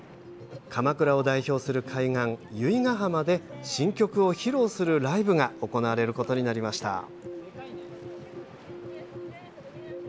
鎌倉を代表する海岸、由比ガ浜で新曲を披露するライブが行われることになりました。